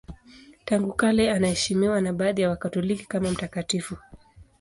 Tangu kale anaheshimiwa na baadhi ya Wakatoliki kama mtakatifu.